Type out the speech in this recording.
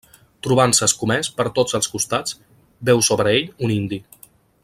Trobant-se escomès per tots els costats, veu sobre ell un indi.